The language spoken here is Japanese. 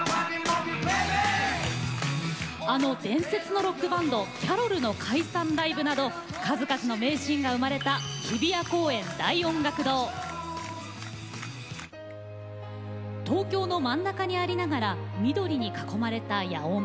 あの伝説のロックバンドキャロルの解散ライブなど数々の名シーンが生まれた東京の真ん中にありながら緑に囲まれた野音。